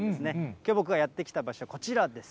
きょう、僕がやって来た場所、こちらです。